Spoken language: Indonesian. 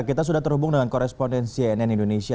kita sudah terhubung dengan koresponden cnn indonesia